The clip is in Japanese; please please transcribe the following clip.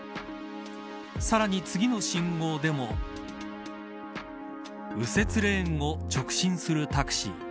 さらに次の信号でも右折レーンを直進するタクシー。